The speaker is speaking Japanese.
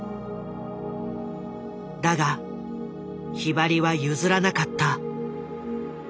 だがひばりは譲らなかった。